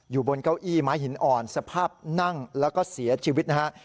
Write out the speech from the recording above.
อยู่บนเก้าอี้ไม้หินอ่อนสภาพนั่งแล้วก็เสียชีวิตนะฮะ